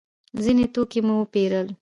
ځینې توکي مو وپېرل.